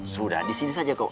sudah di sini saja kok